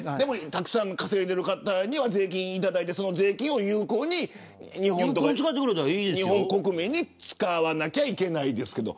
たくさん稼いでる方には税金をいただいてその税金を有効にね日本国民に使わなきゃいけないですけど。